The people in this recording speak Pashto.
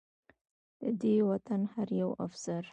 د دې وطن هر يو افسر